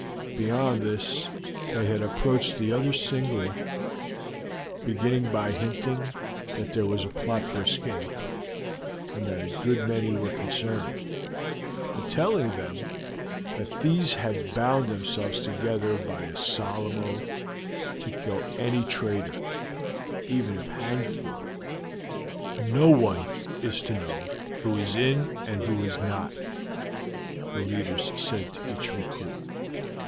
Beyond this they had approached the others singly, beginning by hinting that there was a plot for escape, and that a good many were concerned, and telling them that these had bound themselves together by a solemn oath to kill any traitor, even if hanged for it. "No one is to know who is in it and who is not," the leaders said to each recruit.